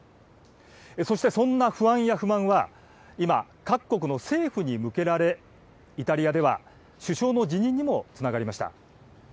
そしてそんな不安や不満は、今、各国の政府に向けられ、イタリアでは首相の辞任にもつながりました。